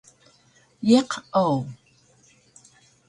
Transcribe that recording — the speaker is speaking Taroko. Iq o